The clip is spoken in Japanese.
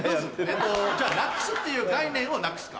じゃあなくすっていう概念をなくすか？